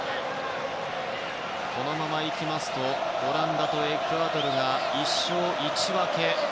このままいきますとオランダとエクアドルが１勝１分け。